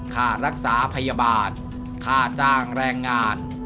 ค่ารักษาพยาบาลค่าจ้างแรงงาน